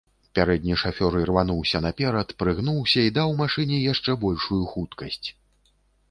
Пярэдні шафёр ірвануўся наперад, прыгнуўся і даў машыне яшчэ большую хуткасць.